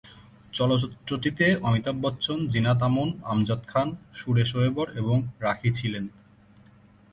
চলচ্চিত্রটিতে অমিতাভ বচ্চন, জিনাত আমন, আমজাদ খান, সুরেশ ওবেরয়, এবং রাখী ছিলেন।